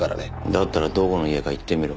だったらどこの家か言ってみろ。